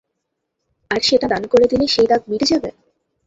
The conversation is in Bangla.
আর সেটা দান করে দিলে সেই দাগ মিটে যাবে?